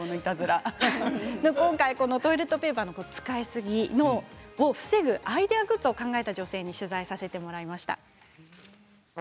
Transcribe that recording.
トイレットペーパーの使いすぎを防ぐアイデアグッズを考えた女性を取材しました。